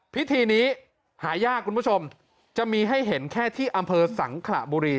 พิธีนี้หายากคุณผู้ชมจะมีให้เห็นแค่ที่อำเภอสังขระบุรี